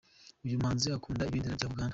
Uyu muhanzi akunda ibendera rya Uganda.